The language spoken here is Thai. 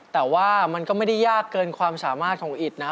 แต่ว่ามันก็ไม่ได้ยากเกินความสามารถของอิตนะ